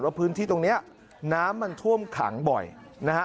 พื้นที่ตรงนี้น้ำมันท่วมขังบ่อยนะฮะ